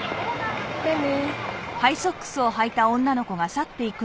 じゃあね。